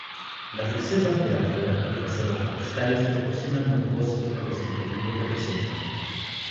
Las Reservas de la flora y reservas forestales proporcionan los bosques representativos representan.